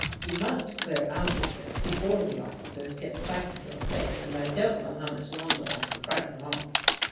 You must clear out of this before the officers get sight of your face, and I don't know how much longer I can frighten 'em off.